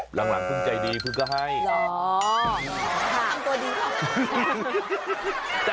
หลังหลังพึ่งใจดีพึ่งก็ให้หรอหลังตัวดีครับ